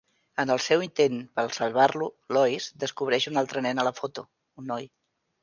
En el seu intent per salvar-lo, Lois descobreix un altre nen a la foto: un noi.